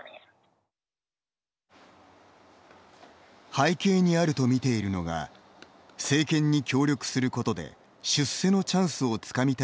背景にあると見ているのが政権に協力することで出世のチャンスをつかみたいという思いです。